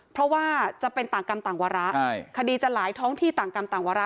เพราะว่าจะเป็นต่างกรรมต่างวาระคดีจะหลายท้องที่ต่างกรรมต่างวาระ